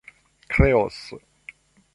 kreos